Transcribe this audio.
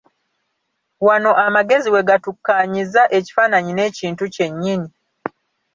Wano amagezi we gatukkaanyiza ekifaananyi n'ekintu kyennyini.